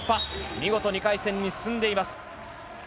見事２回戦に進んでいます。